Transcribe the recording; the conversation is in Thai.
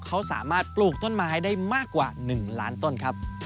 เขาสามารถปลูกต้นไม้ได้มากกว่า๑ล้านต้นครับ